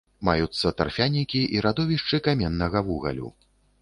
Маюцца тарфянікі і радовішчы каменнага вугалю.